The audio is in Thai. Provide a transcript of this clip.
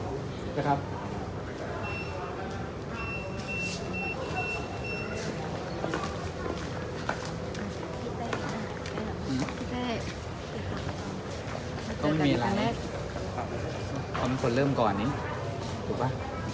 ต้องมีไลค์เอาเป็นคนเริ่มก่อนนี้ถูกปะ